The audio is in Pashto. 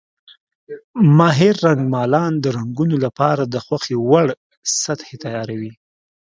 ماهر رنګمالان د رنګونو لپاره د خوښې وړ سطحې تیاروي.